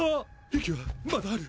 息はまだある！